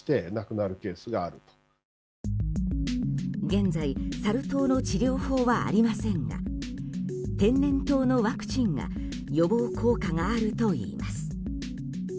現在、サル痘の治療法はありませんが天然痘のワクチンが予防効果があるといいます。